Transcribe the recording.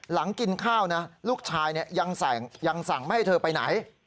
หลังกินข้าวนะลูกชายยังสั่งไม่ให้เธอไปไหน